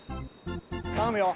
頼むよ！